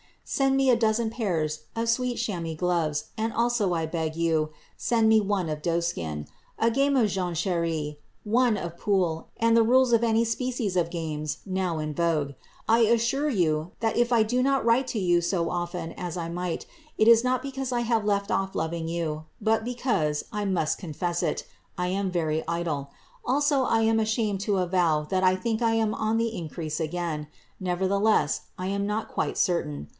" Send me a dozen pairs of sweet chamois gloves, nnd also I beg you send mo one of doeskin; a game of joHcherut^ one of jxntU^ nml the rules of any species of games now in vogue. I as:iure you, that if I do not write to you so often as I miglit, it is not because I have left otf loving you, hut because — I mast eonfesf it — I am very idle : a]»o I am ashamed to avow that I diink I am on the increast again ; nevertheless, 1 am not yet quite certain.